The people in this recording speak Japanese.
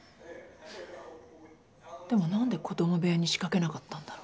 でも何で子供部屋に仕掛けなかったんだろ？